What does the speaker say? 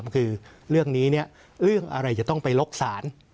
คือเรื่องนี้เรื่องอะไรจะต้องไปล็อกศาล